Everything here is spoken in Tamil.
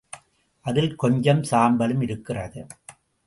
அதில் கொஞ்சம் சாம்பலும் இருக்கிறது.